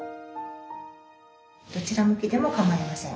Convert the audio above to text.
どちら向きでも構いません。